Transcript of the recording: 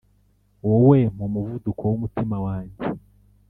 wowe muvuduko w’umutima wanjye